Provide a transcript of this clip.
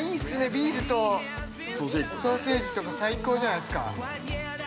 ビールとソーセージとか最高じゃないですか。